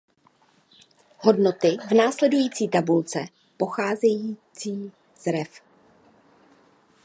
Hodnoty v následující tabulce pocházející z ref.